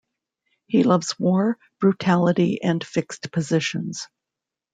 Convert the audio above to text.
He loves war, brutality and fixed positions.